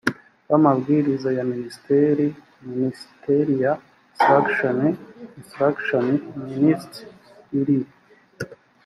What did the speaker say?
b amabwiriza ya minisitiri ministerial instructions instructions minist rielles